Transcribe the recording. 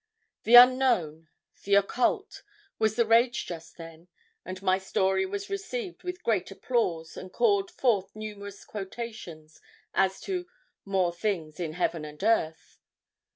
The Unknown, the Occult, was the rage just then, and my story was received with great applause and called forth numerous quotations as to 'more things in heaven and earth.'